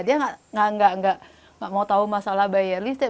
dia nggak mau tahu masalah bayar listrik